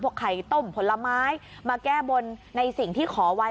ไข่ต้มผลไม้มาแก้บนในสิ่งที่ขอไว้